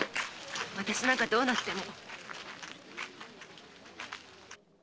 私なんかどうなっても。